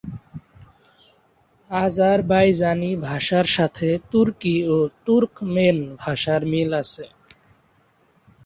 Azerbaijani ভাষার সাথে তুর্কি ও তুর্কমেন ভাষার মিল আছে।